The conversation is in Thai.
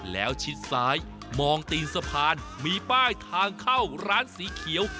แล้วชิดซ้ายมองตีนสะพานมีป้ายทางเข้าร้านสีเขียว